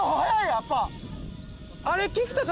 やっぱ。